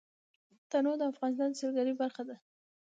تنوع د افغانستان د سیلګرۍ برخه ده.